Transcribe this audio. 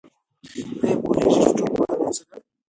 آيا پوهېږئ چي ټولنپوهنه څه ده؟